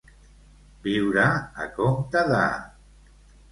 Viure a compte de.